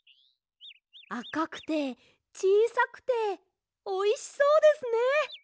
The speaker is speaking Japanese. あかくてちいさくておいしそうですね！